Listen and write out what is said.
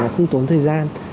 không tốn thời gian